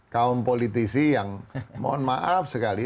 kaum politisi yang mohon maaf sekali